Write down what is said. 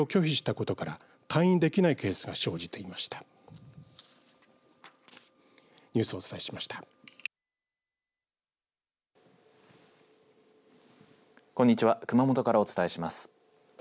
こんにちは熊本からお伝えします。